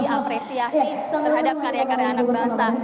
dan juga lebih meningkatkan karya karya anak bangsa